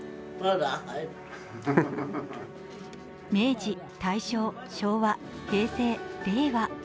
明治、大正、昭和、平成、令和。